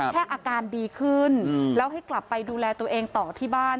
อาการดีขึ้นแล้วให้กลับไปดูแลตัวเองต่อที่บ้าน